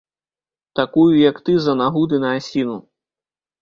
Такую, як ты, за нагу ды на асіну!